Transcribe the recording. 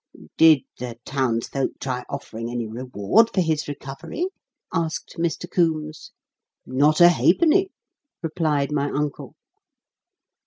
"Did the townsfolk try offering any reward for his recovery?" asked Mr. Coombes. "Not a ha'penny," replied my uncle.